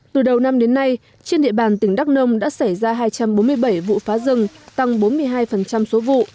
từ đầu năm đến nay trên địa bàn tỉnh đắk nông đã xảy ra hai trăm bốn mươi bảy vụ phá rừng tăng bốn mươi hai số vụ